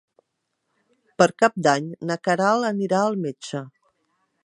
Per Cap d'Any na Queralt anirà al metge.